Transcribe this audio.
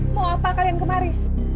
mau apa kalian kemari